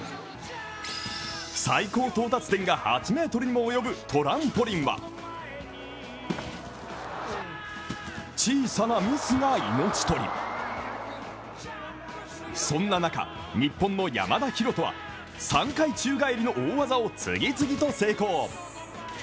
最高到達点が８ｍにも及ぶトランポリンは小さなミスが命取り、そんな中、日本の山田大翔は３回宙返りの大技を次々と成功。